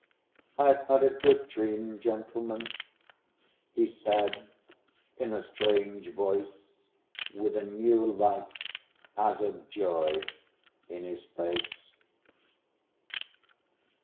"I've had a good dream, gentlemen," he said in a strange voice, with a new light, as of joy, in his face.